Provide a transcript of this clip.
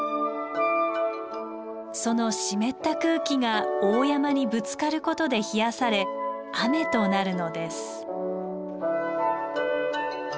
その湿った空気が大山にぶつかることで冷やされ雨となるのです。